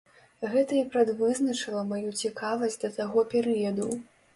Гэта і прадвызначыла маю цікавасць да таго перыяду.